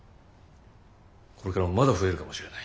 これからもまだ増えるかもしれない。